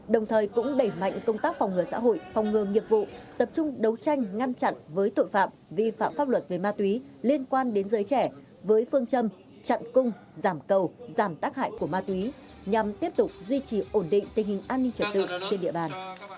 đồng thời cũng đẩy mạnh công tác phòng ngừa xã hội phòng ngừa nghiệp vụ tập trung đấu tranh ngăn chặn với tội phạm vi phạm pháp luật về ma túy liên quan đến giới trẻ với phương châm chặn cung giảm cầu giảm tác hại của ma túy nhằm tiếp tục duy trì ổn định tình hình an ninh trật tự trên địa bàn